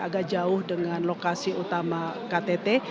agak jauh dengan lokasi utama ktt